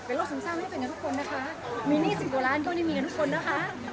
เป็นโรคสูงสร้างไม่ได้เป็นกับทุกคนนะคะมีหนี้๑๐กว่าล้านก็ไม่มีกับทุกคนนะคะ